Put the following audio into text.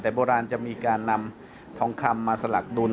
แต่โบราณจะมีการนำทองคำมาสลักดุล